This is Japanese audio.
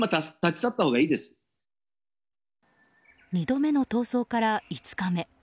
２度目の逃走から５日目。